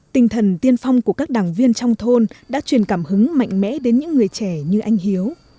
tinh thần tiên phong của các đảng viên trong thôn đã truyền cảm hứng mạnh mẽ đến những người trẻ như anh hiếu